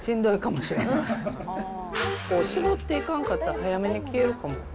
しぼっていかんかったら早めに消えるかも。